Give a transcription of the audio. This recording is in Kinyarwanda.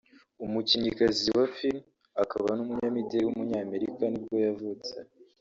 umukinnyikazi wa film akaba n’umunyamideli w’umunyamerika nibwo yavutse